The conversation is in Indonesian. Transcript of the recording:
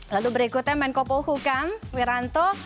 lalu berikutnya menkopol hukam wiranto